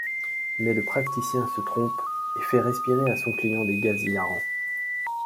Mais le praticien se trompe et fait respirer à son client des gaz hilarants.